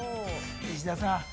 石田さん。